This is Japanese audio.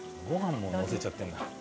ご飯ものせちゃってんだ